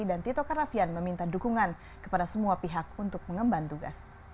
dan tito karnavian meminta dukungan kepada semua pihak untuk mengemban tugas